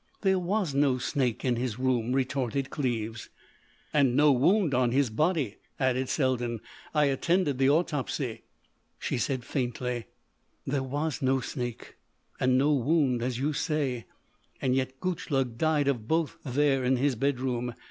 "There was no snake in his room," retorted Cleves. "And no wound on his body," added Selden. "I attended the autopsy." She said, faintly: "There was no snake, and no wound, as you say.... Yet Gutchlug died of both there in his bedroom....